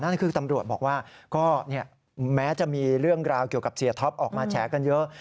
นั่นคือตำรวจบอกว่าก็แม้จะมีเรื่องราวเกี่ยวกับเสียท็อปออกมาแฉกันเยอะ